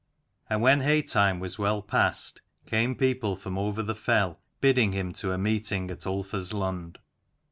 And when hay time was well passed, came people from over the fell bidding him to a meeting at Ulfar's Lund.